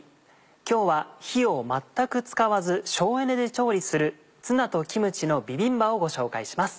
今日は火を全く使わず省エネで調理する「ツナとキムチのビビンバ」をご紹介します。